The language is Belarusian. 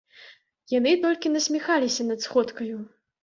Яны толькі насміхаліся над сходкаю.